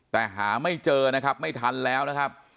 แต่หาไม่เจอนะครับไม่ทันแล้วนะครับ